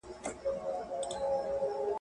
د بدن ټول غړي په هر حالت کي په حرکت کي وساتئ.